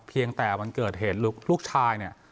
เพียงแต่วันเกิดเหตุลูกชายเนี่ย